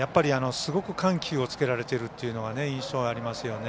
すごく緩急をつけられているというのが印象ありますよね。